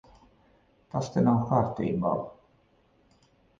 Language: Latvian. Tas te nav kārtībā.